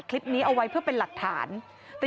กังฟูเปล่าใหญ่มา